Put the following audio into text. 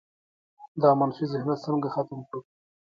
دا منفي ذهنیت څنګه ختم کړو؟